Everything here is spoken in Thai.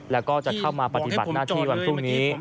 แล้วก็จะเข้ามาปฏิบัติหน้าที่วันพรุ่งนี้